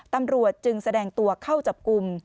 ตำรวจจึงแสดงตัวเข้าจับกลุ่ม